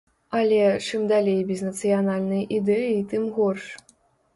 Але, чым далей без нацыянальнай ідэі, тым горш.